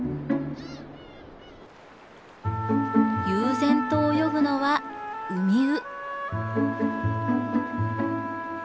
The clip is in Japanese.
悠然と泳ぐのはウミウ。